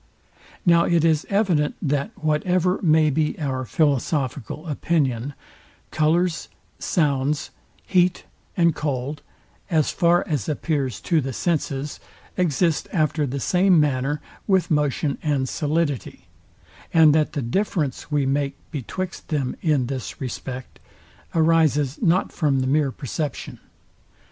Now it is evident, that, whatever may be our philosophical opinion, colours, Sounds, heat and cold, as far as appears to the senses, exist after the same manner with motion and solidity, and that the difference we make betwixt them in this respect, arises not from the mere perception.